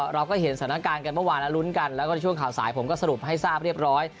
เราก็เห็นสถานการณ์กันเมื่อวานแล้วลุ้นกันแล้วก็ในช่วงข่าวสายผมก็สรุปให้ทราบเรียบร้อย